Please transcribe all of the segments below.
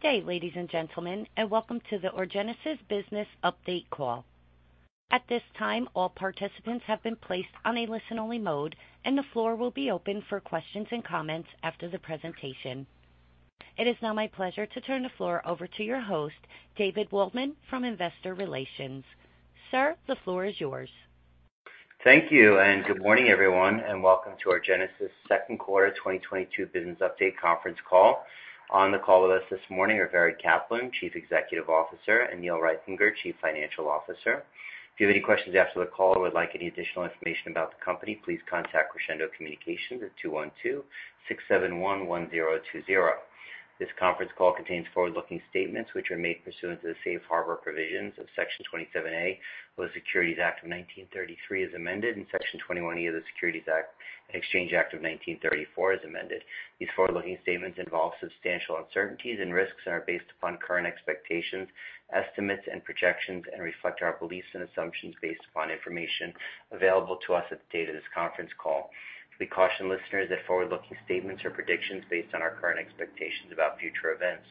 Good day, ladies and gentlemen, and welcome to the Orgenesis business update call. At this time, all participants have been placed on a listen-only mode, and the floor will be open for questions and comments after the presentation. It is now my pleasure to turn the floor over to your host, David Waldman from Investor Relations. Sir, the floor is yours. Thank you, and good morning, everyone, and welcome to Orgenesis second quarter 2022 business update conference call. On the call with us this morning are Vered Caplan, Chief Executive Officer, and Neil Reithinger, Chief Financial Officer. If you have any questions after the call or would like any additional information about the company, please contact Crescendo Communications at 212-671-1020. This conference call contains forward-looking statements which are made pursuant to the Safe Harbor provisions of Section 27A of the Securities Act of 1933 as amended, and Section 21E of the Securities Exchange Act of 1934 as amended. These forward-looking statements involve substantial uncertainties and risks and are based upon current expectations, estimates, and projections and reflect our beliefs and assumptions based upon information available to us at the date of this conference call. We caution listeners that forward-looking statements are predictions based on our current expectations about future events.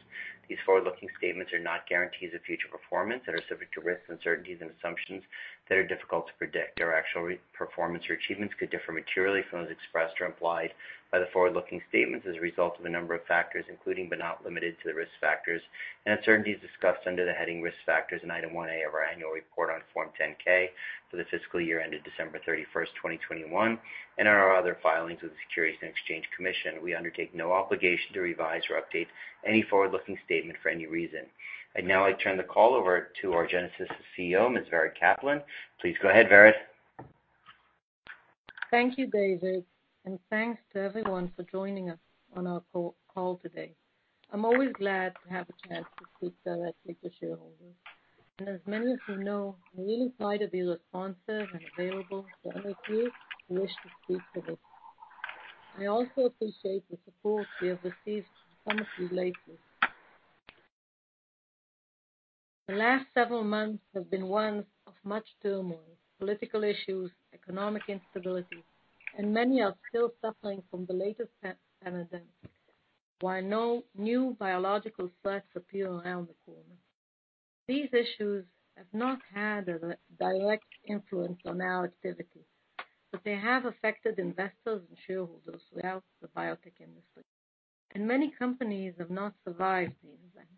These forward-looking statements are not guarantees of future performance and are subject to risks, uncertainties, and assumptions that are difficult to predict. Our actual results or achievements could differ materially from those expressed or implied by the forward-looking statements as a result of a number of factors, including but not limited to the risk factors and uncertainties discussed under the heading Risk Factors in Item 1A of our annual report on Form 10-K for the fiscal year ended December 31, 2021, and our other filings with the Securities and Exchange Commission. We undertake no obligation to revise or update any forward-looking statement for any reason. Now I turn the call over to Orgenesis CEO, Ms. Vered Caplan. Please go ahead, Vered. Thank you, David, and thanks to everyone for joining us on our call today. I'm always glad to have a chance to speak directly to shareholders. As many of you know, we really try to be responsive and available to any of you who wish to speak with us. I also appreciate the support we have received from some of you lately. The last several months have been ones of much turmoil, political issues, economic instability, and many are still suffering from the latest pandemic, while no new biological threats appear around the corner. These issues have not had a direct influence on our activity, but they have affected investors and shareholders throughout the biotech industry. Many companies have not survived the event.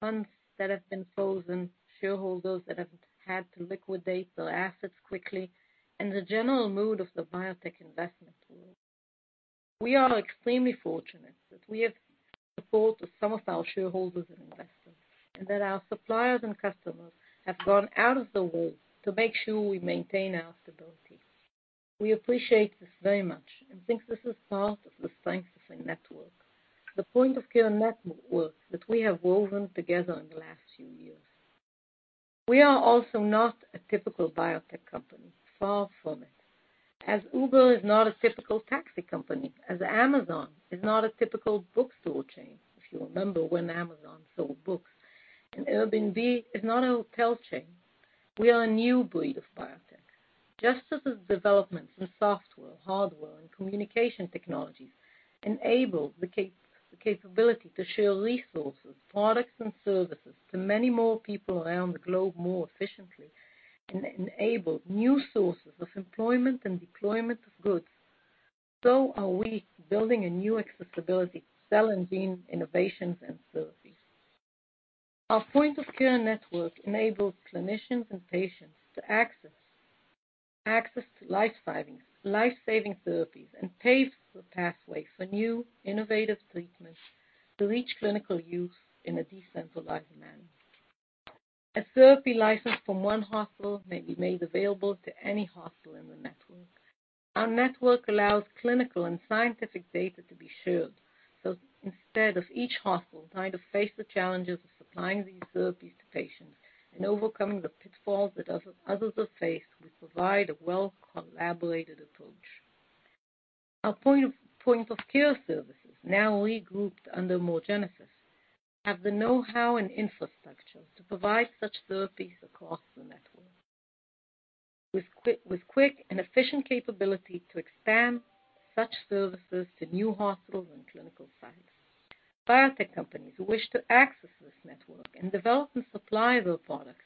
Funds that have been frozen, shareholders that have had to liquidate their assets quickly, and the general mood of the biotech investment world. We are extremely fortunate that we have the support of some of our shareholders and investors, and that our suppliers and customers have gone out of their way to make sure we maintain our stability. We appreciate this very much and think this is part of the strengthening network, the point of care network that we have woven together in the last few years. We are also not a typical biotech company, far from it. As Uber is not a typical taxi company, as Amazon is not a typical bookstore chain, if you remember when Amazon sold books, and Airbnb is not a hotel chain. We are a new breed of biotech. Just as the developments in software, hardware, and communication technologies enable the capability to share resources, products, and services to many more people around the globe more efficiently and enabled new sources of employment and deployment of goods, so are we building a new accessibility to cell and gene innovations and therapies. Our point of care network enables clinicians and patients to access to life-saving therapies and paves the pathway for new innovative treatments to reach clinical use in a decentralized manner. A therapy licensed from one hospital may be made available to any hospital in the network. Our network allows clinical and scientific data to be shared. Instead of each hospital trying to face the challenges of supplying these therapies to patients and overcoming the pitfalls that others have faced, we provide a well-collaborated approach. Our point of care services, now regrouped under Orgenesis, have the know-how and infrastructure to provide such therapies across the network. With quick and efficient capability to expand such services to new hospitals and clinical sites. Biotech companies who wish to access this network and develop and supply their products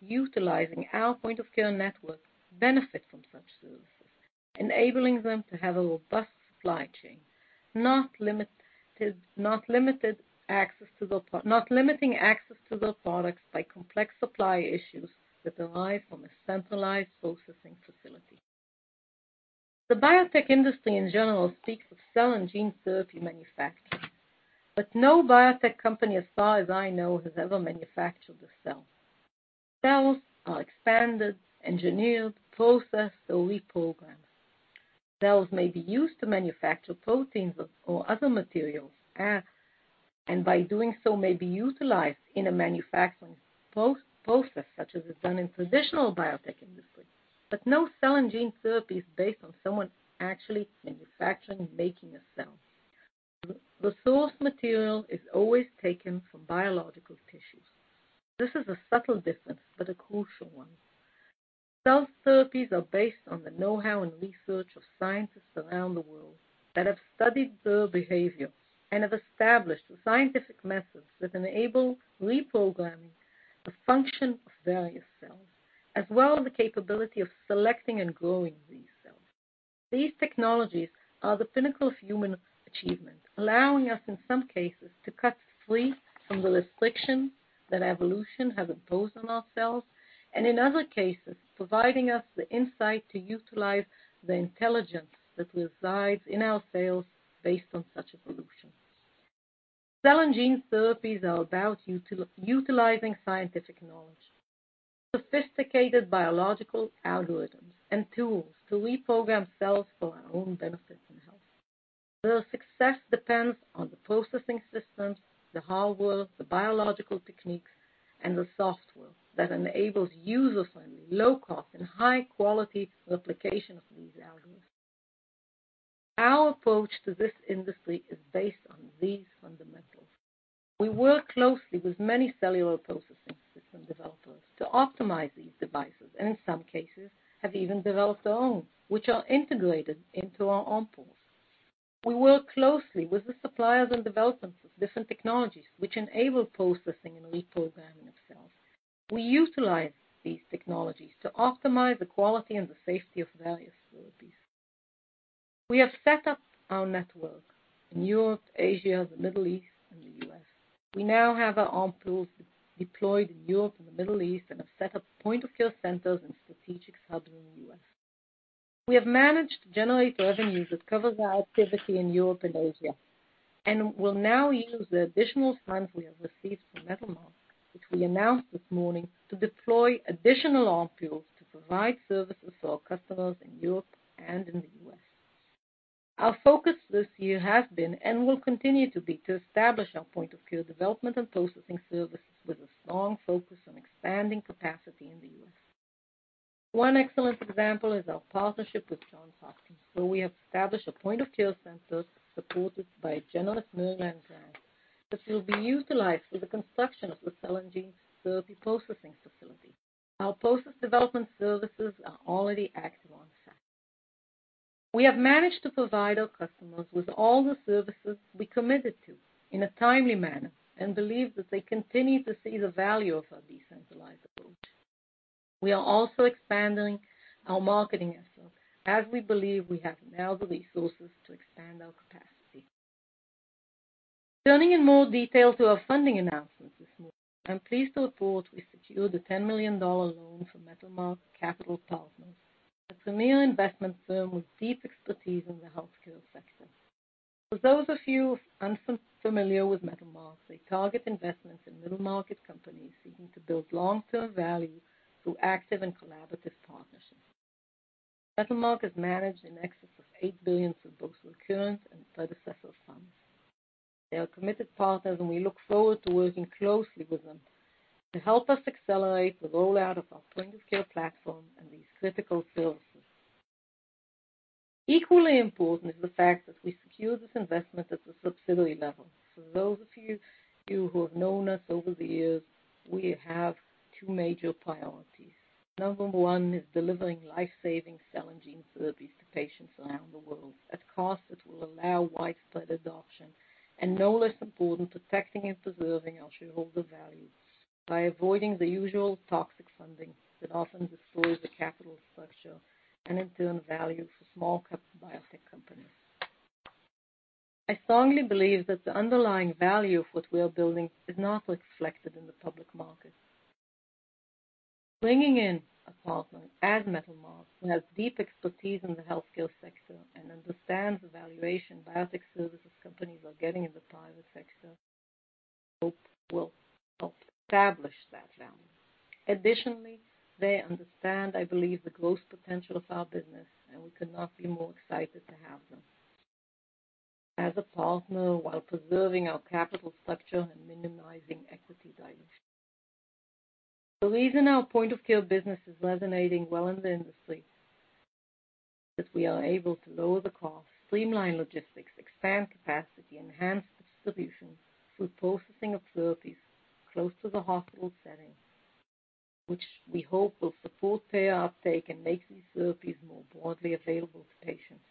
utilizing our point of care network benefit from such services, enabling them to have a robust supply chain, not limiting access to their products by complex supply issues that derive from a centralized processing facility. The biotech industry in general speaks of cell and gene therapy manufacturing, but no biotech company, as far as I know, has ever manufactured a cell. Cells are expanded, engineered, processed, or reprogrammed. Cells may be used to manufacture proteins or other materials, and by doing so may be utilized in a manufacturing process such as is done in traditional biotech industry. No cell and gene therapy is based on someone actually manufacturing and making a cell. The source material is always taken from biological tissues. This is a subtle difference, but a crucial one. Cell therapies are based on the know-how and research of scientists around the world that have studied cell behavior and have established scientific methods that enable reprogramming the function of various cells, as well as the capability of selecting and growing these cells. These technologies are the pinnacle of human achievement, allowing us, in some cases, to cut free from the restrictions that evolution has imposed on ourselves, and in other cases, providing us the insight to utilize the intelligence that resides in our cells based on such evolutions. Cell and gene therapies are about utilizing scientific knowledge, sophisticated biological algorithms, and tools to reprogram cells for our own benefit and health. Their success depends on the processing systems, the hardware, the biological techniques, and the software that enables user-friendly, low cost, and high-quality replication of these algorithms. Our approach to this industry is based on these fundamentals. We work closely with many cellular processing system developers to optimize these devices, and in some cases have even developed our own, which are integrated into our OMPULs. We work closely with the suppliers and developers of different technologies which enable processing and reprogramming of cells. We utilize these technologies to optimize the quality and the safety of various therapies. We have set up our network in Europe, Asia, the Middle East, and the U.S. We now have our OMPUL deployed in Europe and the Middle East, and have set up point-of-care centers in strategic hubs in the U.S. We have managed to generate revenues that cover our activity in Europe and Asia, and we'll now use the additional funds we have received from Metalmark, which we announced this morning, to deploy additional OMPULs to provide services for our customers in Europe and in the U.S. Our focus this year has been and will continue to be, to establish our point-of-care development and processing services with a strong focus on expanding capacity in the U.S. One excellent example is our partnership with Johns Hopkins, where we have established a point-of-care center supported by a generous Maryland grant that will be utilized for the construction of the cell and gene therapy processing facility. Our process development services are already active on-site. We have managed to provide our customers with all the services we committed to in a timely manner and believe that they continue to see the value of our decentralized approach. We are also expanding our marketing efforts as we believe we have now the resources to expand our capacity. Turning in more detail to our funding announcement this morning, I'm pleased to report we secured a $10 million loan from Metalmark Capital, a premier investment firm with deep expertise in the healthcare sector. For those of you unfamiliar with Metalmark, they target investments in middle-market companies seeking to build long-term value through active and collaborative partnerships. Metalmark has managed in excess of $8 billion of both recurrent and predecessor funds. They are committed partners, and we look forward to working closely with them to help us accelerate the rollout of our point of care platform and these critical services. Equally important is the fact that we secured this investment at the subsidiary level. For those of you who have known us over the years, we have two major priorities. Number one is delivering life-saving cell and gene therapies to patients around the world at costs that will allow widespread adoption and no less important, protecting and preserving our shareholder value by avoiding the usual toxic funding that often destroys the capital structure and in turn value for small cap biotech companies. I strongly believe that the underlying value of what we are building is not reflected in the public market. Bringing in a partner as Metalmark, who has deep expertise in the healthcare sector and understands the valuation biotech services companies are getting in the private sector, I hope will help establish that value. Additionally, they understand, I believe, the growth potential of our business, and we could not be more excited to have them as a partner while preserving our capital structure and minimizing equity dilution. The reason our point-of-care business is resonating well in the industry is we are able to lower the cost, streamline logistics, expand capacity, enhance distribution through processing of therapies close to the hospital setting, which we hope will support payer uptake and make these therapies more broadly available to patients.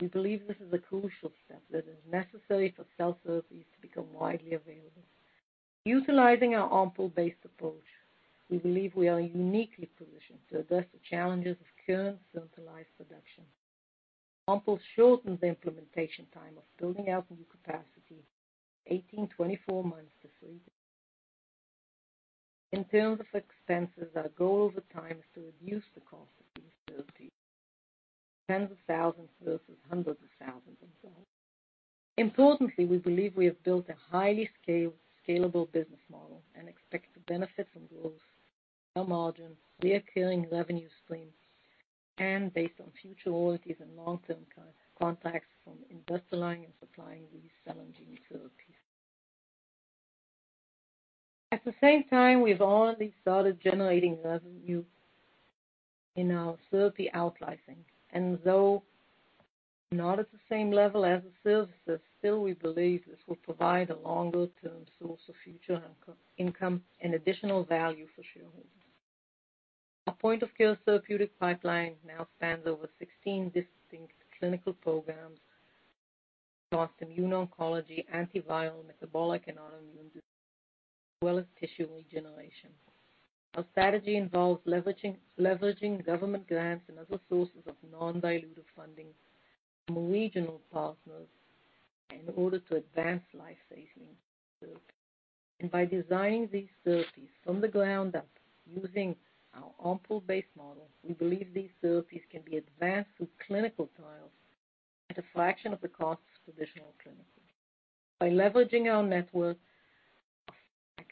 We believe this is a crucial step that is necessary for cell therapies to become widely available. Utilizing our OMPUL-based approach, we believe we are uniquely positioned to address the challenges of current centralized production. OMPUL shortens the implementation time of building out new capacity 18-24 months to three months. In terms of expenses, our goal over time is to reduce the cost of these therapies to tens of thousands versus hundreds of thousands. Importantly, we believe we have built a highly scalable business model and expect to benefit from growth, higher margins, recurring revenue streams, and based on future royalties and long-term contracts from industrializing and supplying these cell and gene therapies. At the same time, we've already started generating revenue in our therapy outsourcing. Though not at the same level as the services. Still, we believe this will provide a longer-term source of future income and additional value for shareholders. Our point-of-care therapeutic pipeline now spans over 16 distinct clinical programs across immuno-oncology, antiviral, metabolic, and autoimmune diseases, as well as tissue regeneration. Our strategy involves leveraging government grants and other sources of non-dilutive funding from regional partners in order to advance life-saving. By designing these therapies from the ground up using our operational-based model, we believe these therapies can be advanced through clinical trials at a fraction of the cost of traditional clinical trials by leveraging our network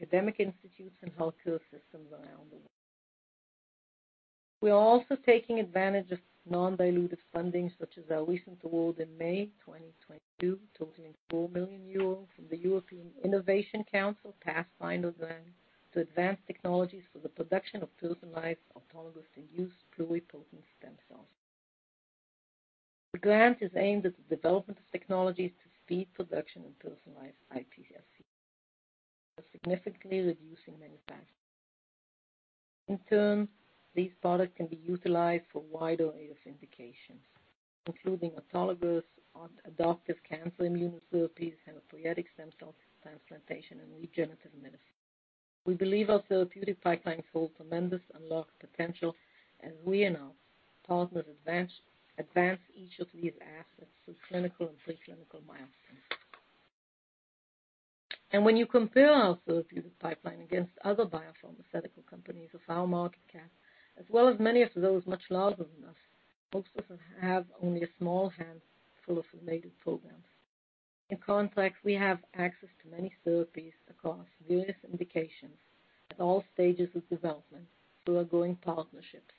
of academic institutes and healthcare systems around the world. We are also taking advantage of non-dilutive funding, such as our recent award in May 2022 totaling 4 million euro from the European Innovation Council Pathfinder Grant to advance technologies for the production of personalized induced pluripotent stem cells. The grant is aimed at the development of technologies to speed production and personalize iPSCs, while significantly reducing manufacturing costs. In turn, these products can be utilized for a wide array of indications, including autologous adoptive cancer immunotherapies, hematopoietic stem cell transplantation, and regenerative medicine. We believe our therapeutic pipeline holds tremendous unlocked potential as we and our partners advance each of these assets through clinical and pre-clinical milestones. When you compare our therapeutic pipeline against other biopharmaceutical companies of our market cap, as well as many of those much larger than us, most of them have only a small handful of related programs. In contrast, we have access to many therapies across various indications at all stages of development through our growing partnerships.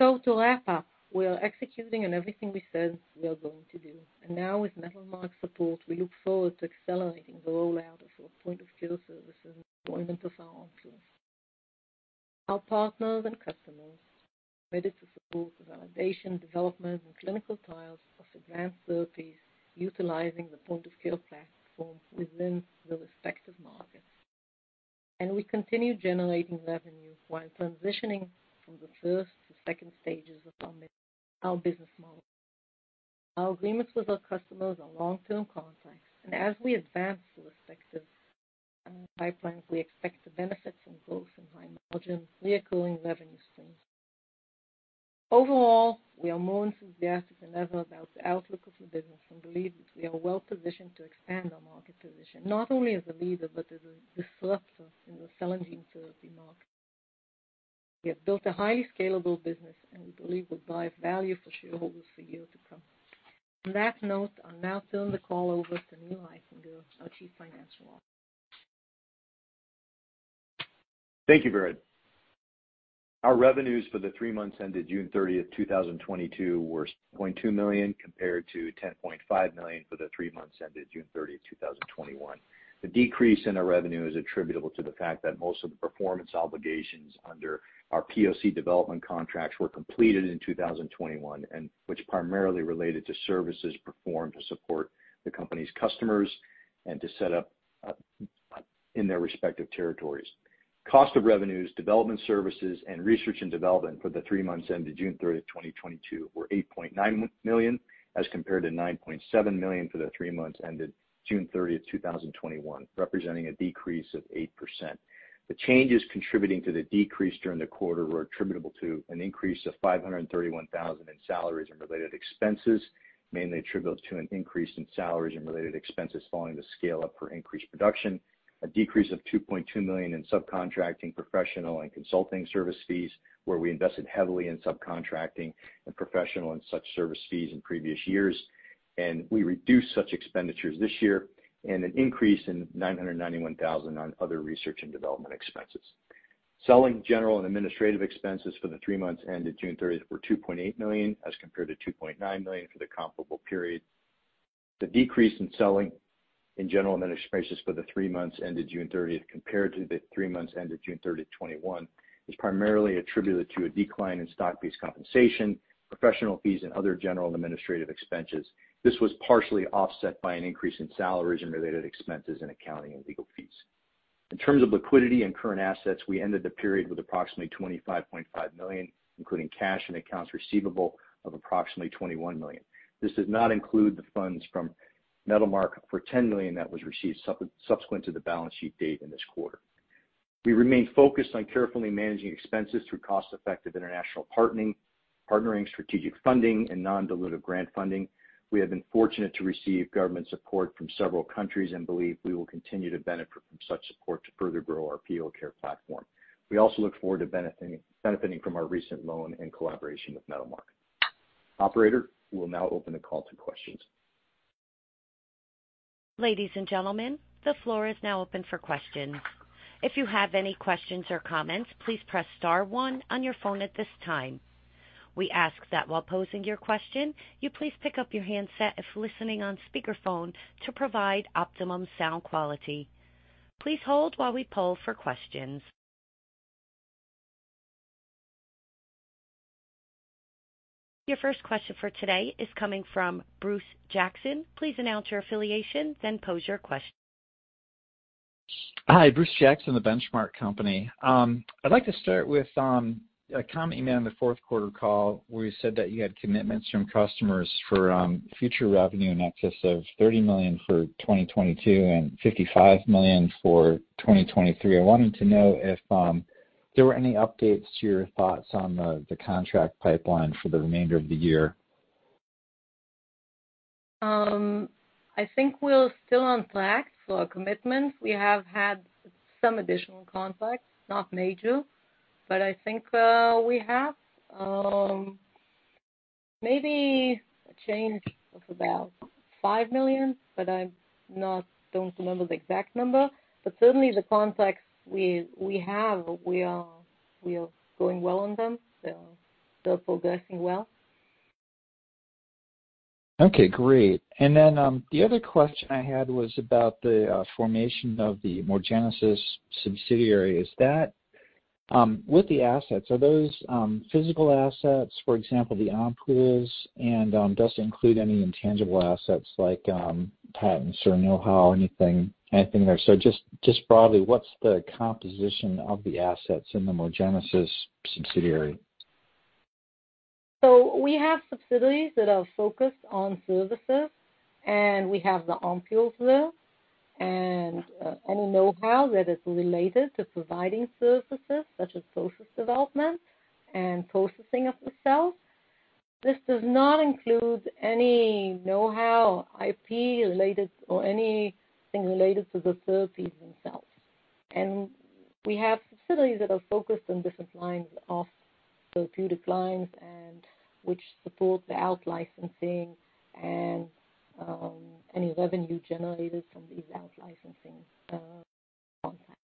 To wrap up, we are executing on everything we said we are going to do. Now with Metalmark's support, we look forward to accelerating the rollout of our point-of-care services and deployment of our tools. Our partners and customers are ready to support the validation, development, and clinical trials of advanced therapies utilizing the point-of-care platform within their respective markets. We continue generating revenue while transitioning from the first to second stages of our business model. Our agreements with our customers are long-term contracts, and as we advance through respective pipelines, we expect to benefit from growth and high margin recurring revenue streams. Overall, we are more enthusiastic than ever about the outlook of the business and believe that we are well-positioned to expand our market position, not only as a leader but as a disruptor in the cell and gene therapy market. We have built a highly scalable business and we believe will drive value for shareholders for years to come. On that note, I'll now turn the call over to Neil Reithinger, our Chief Financial Officer. Thank you, Vered. Our revenues for the three months ended June 30, 2022 were $0.2 million, compared to $10.5 million for the three months ended June 30, 2021. The decrease in our revenue is attributable to the fact that most of the performance obligations under our POC development contracts were completed in 2021, which primarily related to services performed to support the company's customers and to set up in their respective territories. Cost of revenues, development services, and research and development for the three months ended June 30, 2022 were $8.9 million, as compared to $9.7 million for the three months ended June 30, 2021, representing a decrease of 8%. The changes contributing to the decrease during the quarter were attributable to an increase of $531 thousand in salaries and related expenses, mainly attributed to an increase in salaries and related expenses following the scale-up for increased production, a decrease of $2.2 million in subcontracting, professional and consulting service fees, where we invested heavily in subcontracting and professional and such service fees in previous years, and we reduced such expenditures this year, and an increase of $991 thousand in other research and development expenses. Selling, general and administrative expenses for the three months ended June 30 were $2.8 million, as compared to $2.9 million for the comparable period. The decrease in selling and general administrative expenses for the three months ended June 30 compared to the three months ended June 30, 2021 is primarily attributed to a decline in stock-based compensation, professional fees, and other general and administrative expenses. This was partially offset by an increase in salaries and related expenses in accounting and legal fees. In terms of liquidity and current assets, we ended the period with approximately $25.5 million, including cash and accounts receivable of approximately $21 million. This does not include the funds from Metalmark for $10 million that was received subsequent to the balance sheet date in this quarter. We remain focused on carefully managing expenses through cost-effective international partnering, strategic funding, and non-dilutive grant funding. We have been fortunate to receive government support from several countries and believe we will continue to benefit from such support to further grow our POCare platform. We also look forward to benefiting from our recent loan and collaboration with Metalmark. Operator, we'll now open the call to questions. Ladies and gentlemen, the floor is now open for questions. If you have any questions or comments, please press star one on your phone at this time. We ask that while posing your question, you please pick up your handset if listening on speakerphone to provide optimum sound quality. Please hold while we poll for questions. Your first question for today is coming from Bruce Jackson. Please announce your affiliation, then pose your question. Hi, Bruce Jackson, The Benchmark Company. I'd like to start with a comment you made on the fourth quarter call, where you said that you had commitments from customers for future revenue in excess of $30 million for 2022 and $55 million for 2023. I wanted to know if there were any updates to your thoughts on the contract pipeline for the remainder of the year. I think we're still on track for our commitments. We have had some additional contracts, not major, but I think we have maybe a change of about $5 million, but I don't remember the exact number. Certainly, the contracts we have, we are going well on them, they are still progressing well. Okay, great. The other question I had was about the formation of the orgenesis subsidiary. Is that with the assets, are those physical assets, for example, the OMPULs? And does it include any intangible assets like patents or know-how, anything there? Just broadly, what's the composition of the assets in the orgenesis subsidiary? We have subsidiaries that are focused on services, and we have the OMPULs there, and any know-how that is related to providing services such as process development and processing of the cells. This does not include any know-how IP related or anything related to the therapies themselves. We have subsidiaries that are focused on different lines of therapeutic lines and which support the out-licensing and any revenue generated from these out-licensing contracts.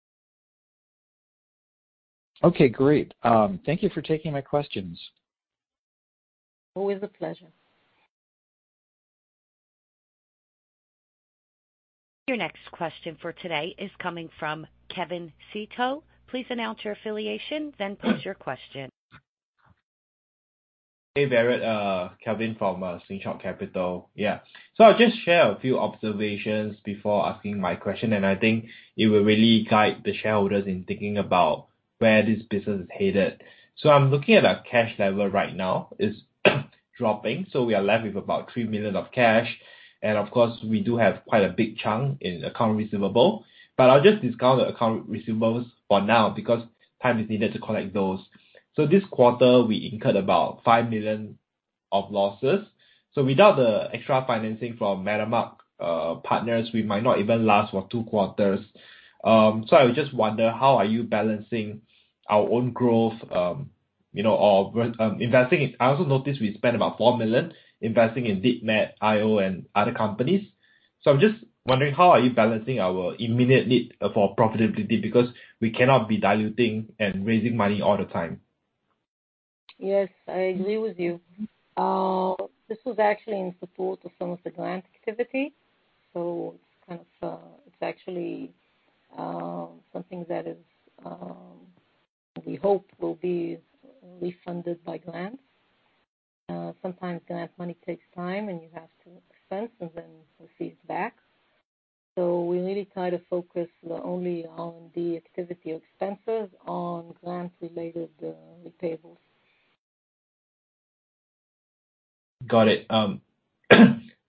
Okay, great. Thank you for taking my questions. Always a pleasure. Your next question for today is coming from Kevin Teo. Please announce your affiliation then pose your question. Hey, Vered. Kevin from Slingshot Capital. Yeah. I'll just share a few observations before asking my question, and I think it will really guide the shareholders in thinking about where this business is headed. I'm looking at our cash level right now is dropping. We are left with about $3 million of cash. And of course, we do have quite a big chunk in accounts receivable, but I'll just discount the accounts receivable for now because time is needed to collect those. This quarter, we incurred about $5 million of losses. Without the extra financing from Metalmark Partners, we might not even last for two quarters. I would just wonder, how are you balancing our own growth, you know, or investing in. I also noticed we spent about $4 million investing in DeepMed IO and other companies. I'm just wondering, how are you balancing our immediate need for profitability? Because we cannot be diluting and raising money all the time. Yes, I agree with you. This was actually in support of some of the grant activity. It's actually something that we hope will be refunded by grants. Sometimes grant money takes time, and you have to spend and then receive back. We really try to focus only on the activity expenses on grant-related tables. Got it. I'd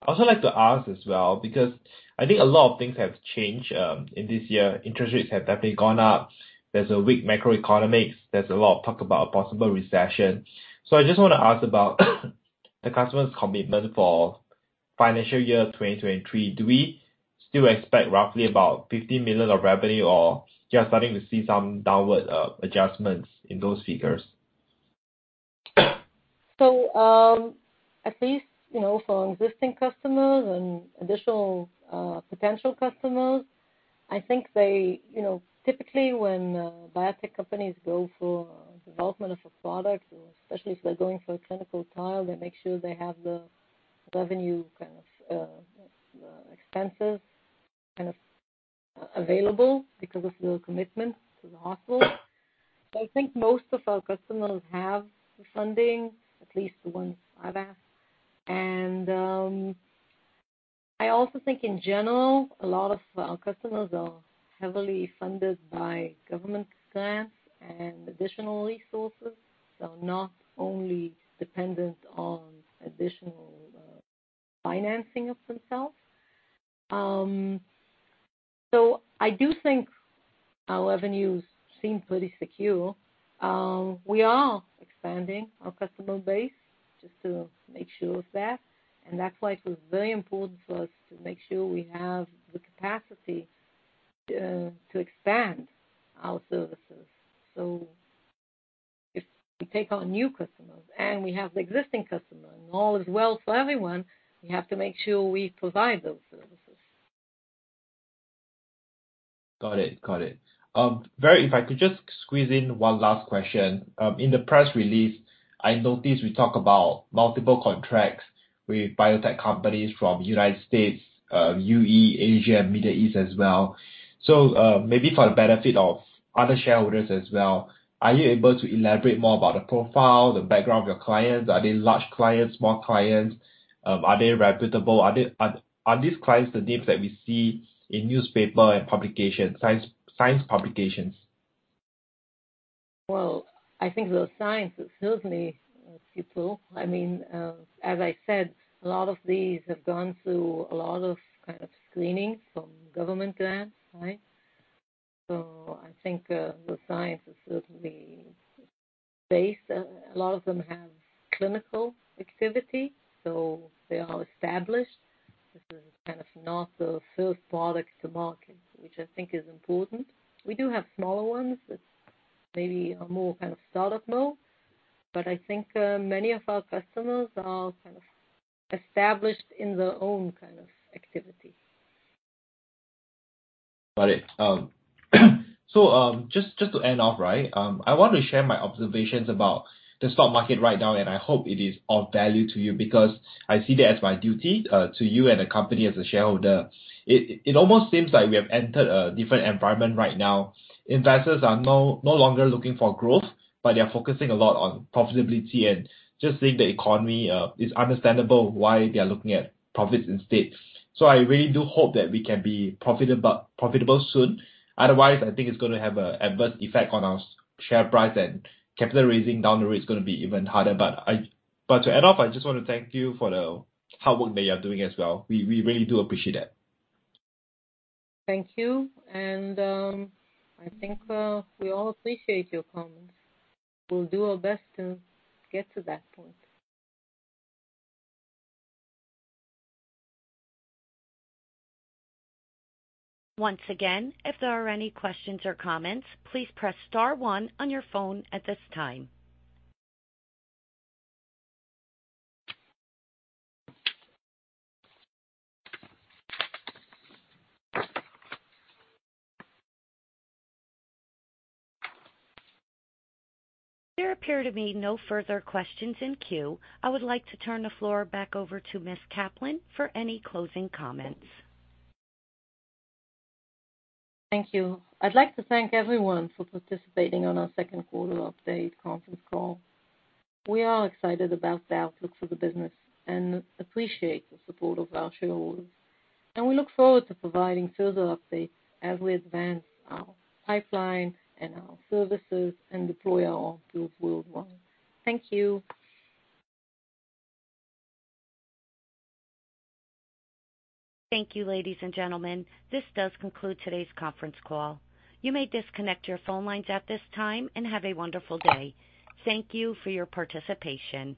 also like to ask as well, because I think a lot of things have changed in this year. Interest rates have definitely gone up. There's a weak macroeconomics. There's a lot of talk about a possible recession. I just want to ask about the customer's commitment for financial year 2023. Do we still expect roughly about $50 million of revenue or you are starting to see some downward adjustments in those figures? At least, you know, for existing customers and additional, potential customers, I think they, you know, typically when, biotech companies go for development of a product or especially if they're going for a clinical trial, they make sure they have the revenue kind of, expenses kind of available because of the commitment to the hospital. I think most of our customers have the funding, at least the ones I've asked. I also think in general, a lot of our customers are heavily funded by government grants and additional resources, so not only dependent on additional, financing of themselves. I do think our revenues seem pretty secure. We are expanding our customer base just to make sure of that. That's why it was very important for us to make sure we have the capacity, to expand our services. If we take on new customers and we have the existing customer, and all is well for everyone, we have to make sure we provide those services. Got it. If I could just squeeze in one last question. In the press release, I noticed we talk about multiple contracts with biotech companies from United States, E.U., Asia, Middle East as well. Maybe for the benefit of other shareholders as well, are you able to elaborate more about the profile, the background of your clients? Are they large clients, small clients? Are they reputable? Are these clients the names that we see in newspapers and publications, science publications? Well, I think the science is certainly, people. I mean, as I said, a lot of these have gone through a lot of, kind of, screening from government grants, right? I think the science is certainly based. A lot of them have clinical activity, so they are established. This is kind of not the first product to market, which I think is important. We do have smaller ones that maybe are more, kind of, startup mode, but I think many of our customers are kind of established in their own, kind of, activity. Got it. Just to end off, right? I want to share my observations about the stock market right now, and I hope it is of value to you because I see that as my duty to you and the company as a shareholder. It almost seems like we have entered a different environment right now. Investors are no longer looking for growth, but they are focusing a lot on profitability and just seeing the economy, it's understandable why they are looking at profits instead. I really do hope that we can be profitable soon. Otherwise, I think it's gonna have a adverse effect on our share price and capital raising down the road is gonna be even harder. To end off, I just wanna thank you for the hard work that you're doing as well. We really do appreciate it. Thank you. I think we all appreciate your comments. We'll do our best to get to that point. Once again, if there are any questions or comments, please press star one on your phone at this time. There appear to be no further questions in queue. I would like to turn the floor back over to Ms. Caplan for any closing comments. Thank you. I'd like to thank everyone for participating on our second quarter update conference call. We are excited about the outlook for the business and appreciate the support of our shareholders. We look forward to providing further updates as we advance our pipeline and our services and deploy our tools worldwide. Thank you. Thank you, ladies and gentlemen. This does conclude today's conference call. You may disconnect your phone lines at this time, and have a wonderful day. Thank you for your participation.